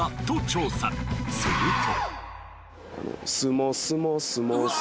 すると。